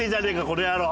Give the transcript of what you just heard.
この野郎。